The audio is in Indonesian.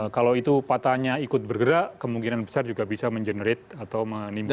kalau itu patahnya ikut bergerak kemungkinan besar juga bisa mengenerate atau menimbulkan